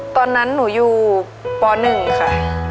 ตอนนั้นหนูอยู่ป๑ค่ะ